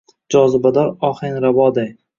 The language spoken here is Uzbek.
Jozibador ohanraboday.